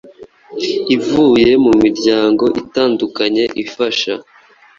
ivuye mu miryango itandukanye ifasha